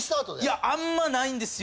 いやあんまないんですよ